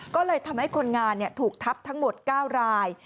ก็เลยทำให้คนงานถูกทับทั้งหมด๙ราย